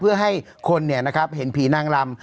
เพื่อให้คนเห็นผีนางลำ